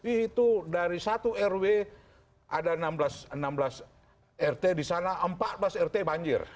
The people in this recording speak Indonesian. itu dari satu rw ada enam belas rt di sana empat belas rt banjir